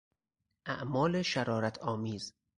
اعمال شرارتآمیز